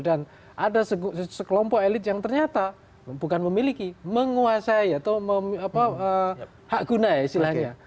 dan ada sekelompok elit yang ternyata bukan memiliki menguasai atau hak guna ya istilahnya